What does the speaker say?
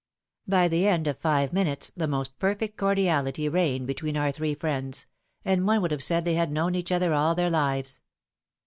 By the end of five minutes, the most perfect cordiality reigned between our three friends, and one would have said they had known each other all their lives.